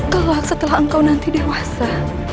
kalau setelah engkau nanti dewasa